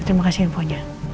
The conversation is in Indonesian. terima kasih infonya